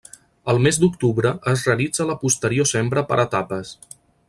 El mes d'octubre es realitza la posterior sembra per etapes.